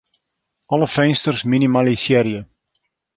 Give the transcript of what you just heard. Alle finsters minimalisearje.